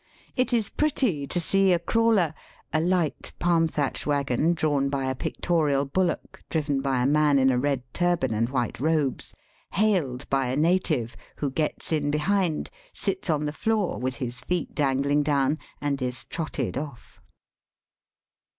It is pretty to see a crawler — a light, palm thatched waggon, drawn by a pictorial bullock, driven by a man in a red turban and white robes — hailed by a native, who gets in behind, sits on the floor, with his feet dangling down, and is trotted off.